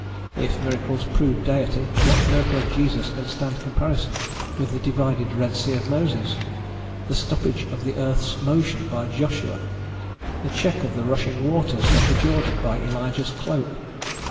If miracles prove Deity, what miracle of Jesus can stand comparison with the divided Red Sea of Moses, the stoppage of the earth's motion by Joshua, the check of the rushing waters of the Jordan by Elijah's cloak?